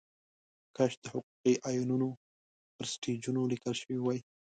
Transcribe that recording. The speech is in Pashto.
کاش د حقوقي ایوانونو پر سټیجونو لیکل شوې وای.